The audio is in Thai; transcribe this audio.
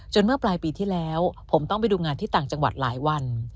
เมื่อปลายปีที่แล้วผมต้องไปดูงานที่ต่างจังหวัดหลายวัน